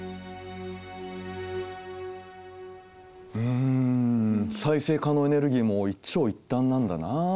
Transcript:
うん再生可能エネルギーも一長一短なんだなあ。